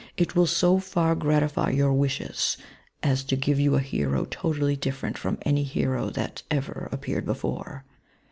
It will so far gratify your wishes, as to give you a hero totally diffisrent from any hero that ever appeared before.